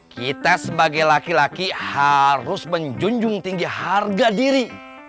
kita sebagai laki laki harus menjunjung tinggi harga diri